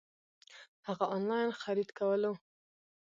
هغه انلاين خريد کولو